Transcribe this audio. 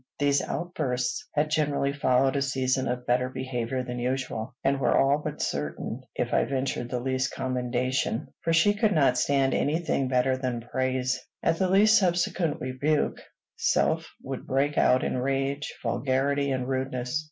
These outbursts had generally followed a season of better behavior than usual, and were all but certain if I ventured the least commendation; for she could stand any thing better than praise. At the least subsequent rebuke, self would break out in rage, vulgarity, and rudeness.